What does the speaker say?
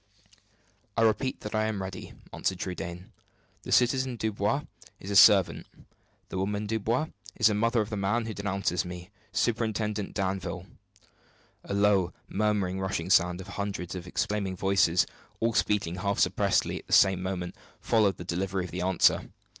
"I repeat that I am ready," answered Trudaine. "The citizen Dubois is a servant. The woman Dubois is the mother of the man who denounces me Superintendent Danville." A low, murmuring, rushing sound of hundreds of exclaiming voices, all speaking, half suppressedly, at the same moment, followed the delivery of the answer.